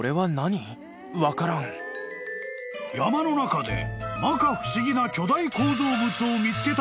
［山の中でまか不思議な巨大構造物を見つけたという］